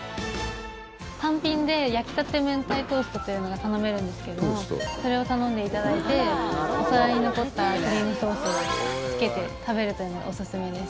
単品で焼きたて明太トーストというのが頼めるんですけれどもそれを頼んでいただいてお皿に残ったクリームソースをつけて食べるというのがおすすめです。